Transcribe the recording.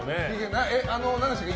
何でしたっけ？